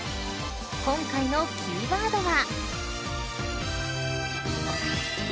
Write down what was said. ［今回のキーワードは？］